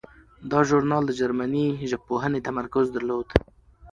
دا ژورنال د جرمني ژبپوهنې تمرکز درلود.